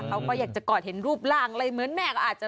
เขาก็อยากจะกอดเห็นรูปร่างอะไรเหมือนแม่ก็อาจจะ